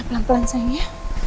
pelan pelan sayang ya